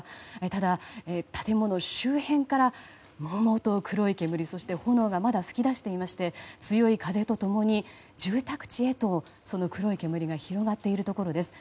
ただ、建物周辺からもうもうと黒い煙そして炎がまだ噴き出していまして強い風と共に住宅地へとその黒い煙が広がっているところです。